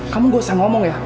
kamu gak usah ngomong ya